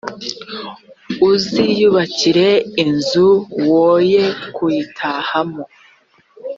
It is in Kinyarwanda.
uziyubakira inzu, woye kuyitahamo;